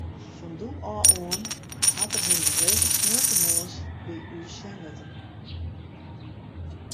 Fan doe ôf oan hat er him geregeld sneontemoarns by ús sjen litten.